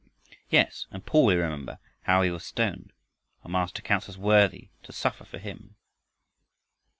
"Yes, and Paul you remember how he was stoned. Our Master counts us worthy to suffer for him."